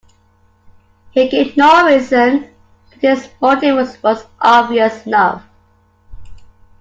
He gave no reason, but his motive was obvious enough.